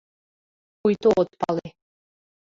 — Пуйто от пале.